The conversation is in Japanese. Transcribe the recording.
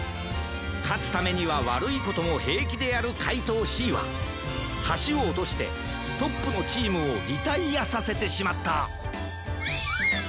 かつためにはわるいこともへいきでやるかいとうＣははしをおとしてトップのチームをリタイアさせてしまった